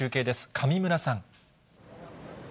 上村さん。